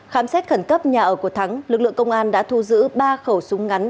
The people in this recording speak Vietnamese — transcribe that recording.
khám xét khẩn cấp nhà ở của thắng lực lượng công an đã thu giữ ba khẩu súng ngắn